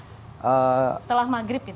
setelah maghrib gitu ya